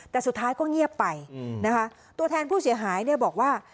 แต่สุดท้ายก็เงียบไปนะคะตัวแทนผู้เสียหายเนี่ยบอกว่า